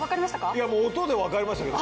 いやもう音でわかりましたけど。